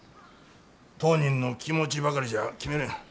当人の気持ちばかりじゃ決めれん。